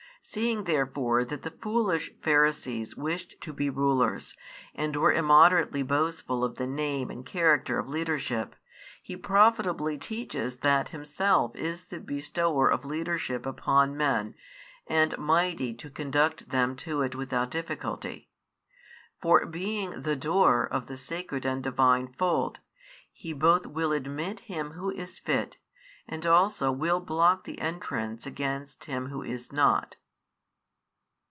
Seeing therefore that the foolish Pharisees wished to be rulers, and were immoderately boastful of the name and character of leadership, He profitably teaches that Himself is the bestower of leadership upon men and mighty to conduct them to it without difficulty. For being the Door of the sacred and Divine fold, He both will admit him who is fit, and also will block the entrance against him who is not.